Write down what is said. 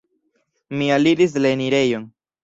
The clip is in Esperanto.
Mi aliris la enirejon.